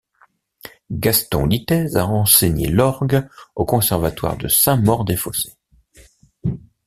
Gaston Litaize a enseigné l'orgue au conservatoire de Saint-Maur-des-Fossés.